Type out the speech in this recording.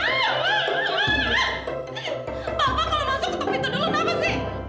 bapak kalo masuk ketuk pintu dulu kenapa sih